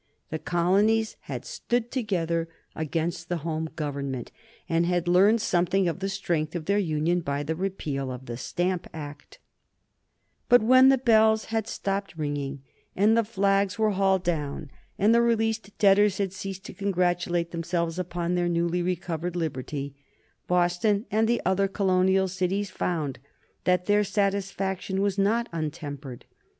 The colonies had stood together against the Home Government, and had learned something of the strength of their union by the repeal of the Stamp Act. [Sidenote: 1766 Action of the Colonial Governors] But when the bells had stopped ringing and the flags were hauled down and the released debtors had ceased to congratulate themselves upon their newly recovered liberty, Boston and the other colonial cities found that their satisfaction was not untempered.